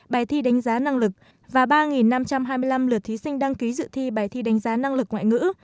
bài thi đánh giá năng lực và ba năm trăm hai mươi năm lượt thí sinh đăng ký dự thi bài thi đánh giá năng lực ngoại ngữ